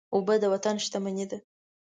اوبه د وطن شتمني ده.